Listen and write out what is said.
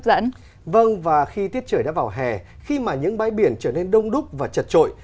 vâng và khi tiết trời đã vào hè khi mà những bãi biển trở nên đông đúc và chật trội